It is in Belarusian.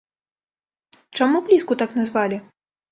Чаму пліску так назвалі?